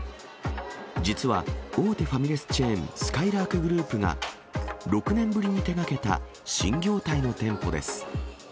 実は大手ファミレスチェーン、すかいらーくグループが、６年ぶりに手がけた新業態の店舗です。